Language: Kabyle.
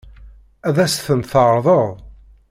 Ad as-tent-tɛeṛḍeḍ?